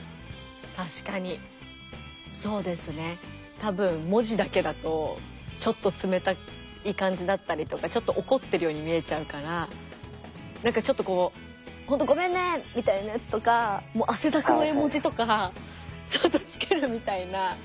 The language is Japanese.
多分文字だけだとちょっと冷たい感じだったりとかちょっと怒ってるように見えちゃうからなんかちょっとこう「ほんとごめんね！」みたいなやつとか汗だくの絵文字とかちょっとつけるみたいな。